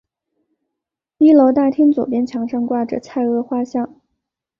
一楼大厅左边墙上挂着蔡锷画像。